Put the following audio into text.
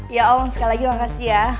ya om sekali lagi makasih ya